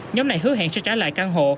nhóm này hứa hẹn sẽ trả lại căn hộ